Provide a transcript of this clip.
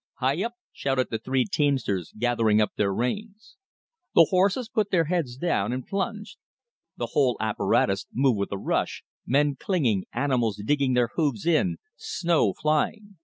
"Hi! YUP!" shouted the three teamsters, gathering up their reins. The horses put their heads down and plunged. The whole apparatus moved with a rush, men clinging, animals digging their hoofs in, snow flying.